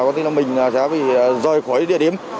có thể là mình sẽ bị rơi khỏi địa điểm